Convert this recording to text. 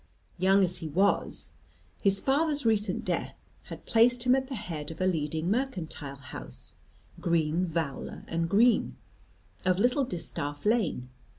Young as he was, his father's recent death had placed him at the head of a leading mercantile house, Green, Vowler, and Green, of Little Distaff Lane.